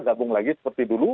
gabung lagi seperti dulu